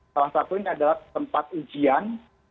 salah satu ini adalah tempat ujian